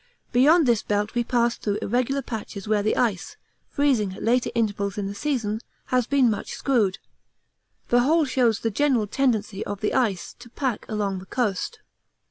Beyond this belt we passed through irregular patches where the ice, freezing at later intervals in the season, has been much screwed. The whole shows the general tendency of the ice to pack along the coast.